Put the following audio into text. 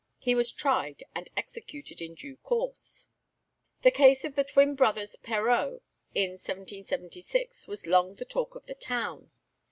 He was tried and executed in due course. The case of the twin brothers Perreau in 1776 was long the talk of the town.